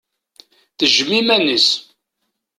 Tejjem iman-is.